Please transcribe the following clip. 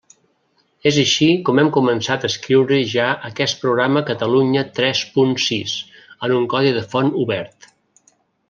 És així com hem començat a escriure ja aquest programa Catalunya tres punt sis, en un codi de font obert.